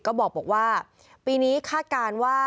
ก็บอกว่าปีนี้คาดการณ์ว่า